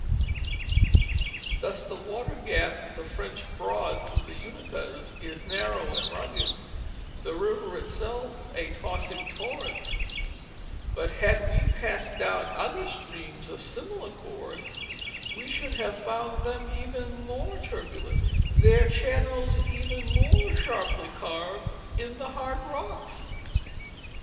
Thus the water gap of the French Broad through the Unakas is narrow and rugged, the river itself a tossing torrent; but had we passed down other streams of similar course, we should have found them even more turbulent, their channels "even more sharply carved in the hard rocks.